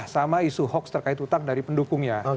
sama isu hoax terkait utang dari pendukungnya